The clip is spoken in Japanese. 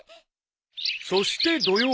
［そして土曜日］